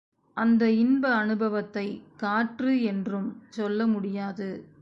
அந்த இன்ப அநுபவத்தைக் காற்று என்றும் சொல்ல முடியாது.